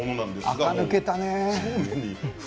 あか抜けたね。